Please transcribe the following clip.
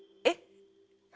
えっ？